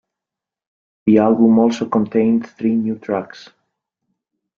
The album also contained three new tracks.